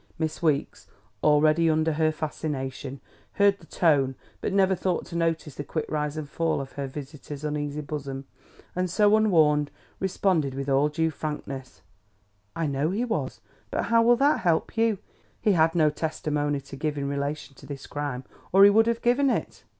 Miss Weeks, already under her fascination, heard the tone but never thought to notice the quick rise and fall of her visitor's uneasy bosom, and so unwarned, responded with all due frankness: "I know he was. But how will that help you? He had no testimony to give in relation to this crime, or he would have given it."